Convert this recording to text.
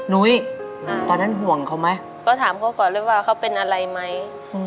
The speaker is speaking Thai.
นุ้ยตอนนั้นห่วงเขาไหม